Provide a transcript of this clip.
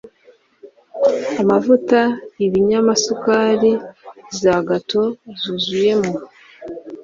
amavuta ibinyamasukari za gato zuzuyemo